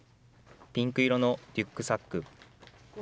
ピンク色のリュックサック。